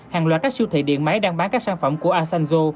hàng loạt các siêu thị điện máy đang bán các sản phẩm của asanjo